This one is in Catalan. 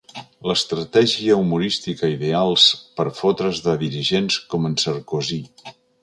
L'estratègia humorística ideals per fotre's de dirigents com en Sarkozy.